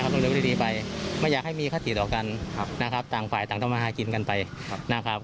ถ้าติดต่อกันนะครับต่างฝ่ายต่างธรรมภาษากิจกันไปนะครับ